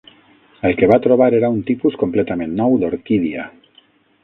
El que va trobar era un tipus completament nou d'orquídia.